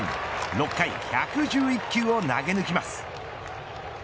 ６回１１１球を投げ抜きます。